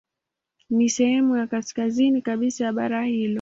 Ni sehemu ya kaskazini kabisa ya bara hilo.